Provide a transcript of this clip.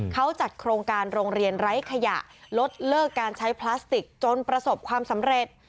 เขาจัดโครงการโรงเรียนไร้ขยะลดเลิกการใช้พลาสติกจนประสบความสำเร็จ